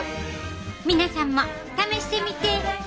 皆さんも試してみて！